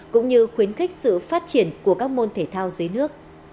cũng như khuyến khích sự phát triển của các môn thể thao